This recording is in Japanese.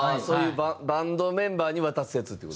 そういうバンドメンバーに渡すやつ。